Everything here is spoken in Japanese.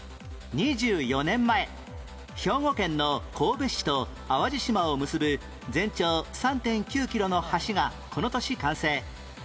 ２４年前兵庫県の神戸市と淡路島を結ぶ全長 ３．９ キロの橋がこの年完成